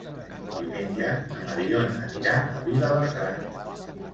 Diumenge na Mariona anirà a Vilabertran.